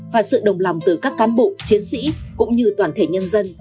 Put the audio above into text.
và sự đồng lòng từ các cán bộ chiến sĩ cũng như toàn thể nhân dân